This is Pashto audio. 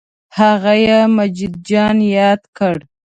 هغه یې مجید جان یاد کړ.